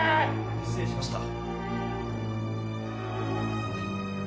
失礼しました。